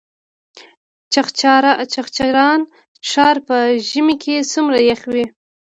چغچران ښار په ژمي کې څومره یخ وي؟